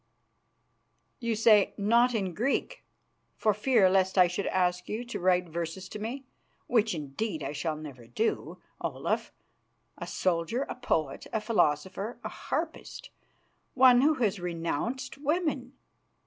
"You say 'not in Greek,' for fear lest I should ask you to write verses to me, which, indeed, I shall never do, Olaf. A soldier, a poet, a philosopher, a harpist, one who has renounced women!